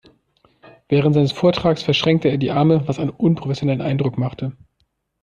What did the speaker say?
Während seines Vortrages verschränkte er die Arme, was einen unprofessionellen Eindruck machte.